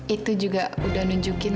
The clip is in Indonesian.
itu juga udah nunjukin